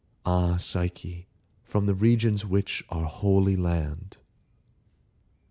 Ah, Psyche, from the regions which Are Holy land!